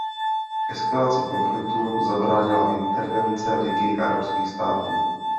Eskalaci konfliktu zabránila intervence Ligy arabských států.